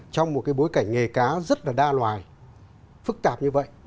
trong một cái bối cảnh nghề cá rất là đa loài phức tạp như vậy